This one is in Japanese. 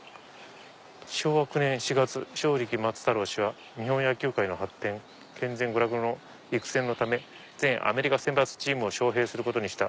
「昭和９年４月正力松太郎は日本野球界の発展健全娯楽の育成のため全アメリカ選抜チームを招聘することとした。